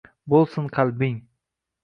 Bo’lsin qalbing